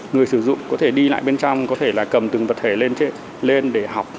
người sử dụng có thể đi lại bên trong có thể là cầm từng vật thể lên để học